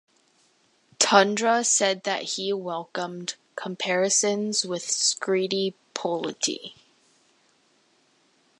Tundra said that he welcomed comparisons with Scritti Politti.